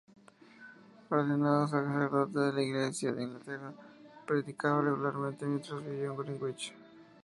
Ordenado sacerdote de la Iglesia de Inglaterra, predicaba regularmente mientras vivió en Greenwich.